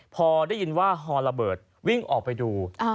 พอได้ยินว่าฮอระเบิดวิ่งออกไปดู